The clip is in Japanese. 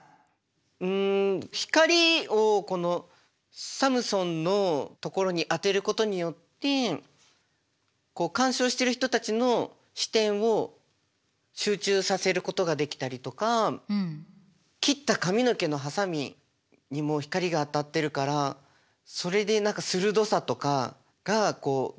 うん光をこのサムソンのところに当てることによってこう鑑賞している人たちの視点を集中させることができたりとか切った髪の毛のはさみにも光が当たってるからそれで何か鋭さとかがこう強調されてる感じがしました。